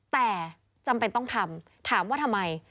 แต่จำเป็นต้องทำถามว่าทำไม